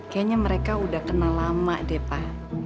kayaknya mereka udah kenal lama deh pak